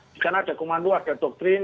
di sana ada komando ada doktrin